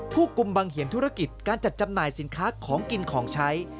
ผู้กลุ่มบังเหียนธุรกิจการจัดจำหน่ายสินค้าของกินของใช้